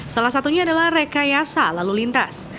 salah satunya adalah rekayasa lalu lintas